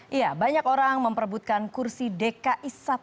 iya banyak orang memperebutkan kursi dki satu